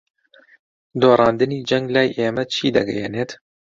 دۆڕاندنی جەنگ لای ئێمە چی دەگەیەنێت؟